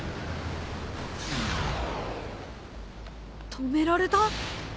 止められた？